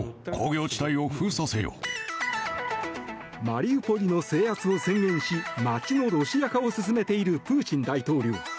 マリウポリの制圧を宣言し街のロシア化を進めているプーチン大統領。